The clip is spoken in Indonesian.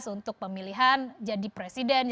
untuk pemilihan jadi presiden